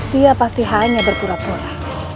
dia pasti hanya berpura pura